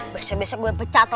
biasanya biasanya gue pecat